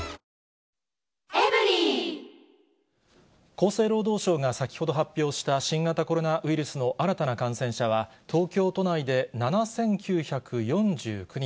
厚生労働省が先ほど発表した、新型コロナウイルスの新たな感染者は、東京都内で７９４９人。